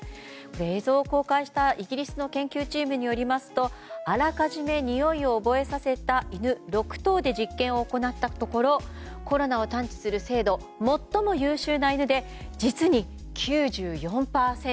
映像を公開したイギリスの研究チームによりますとあらかじめにおいを覚えさせた犬６頭で実験を行ったところコロナを探知する精度は最も優秀な犬で実に９４％。